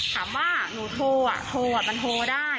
ถามว่าหนูโทรอ่ะโทรมันโทรได้